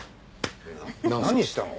何したの？